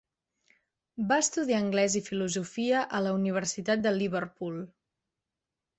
Va estudiar anglès i filosofia a la Universitat de Liverpool.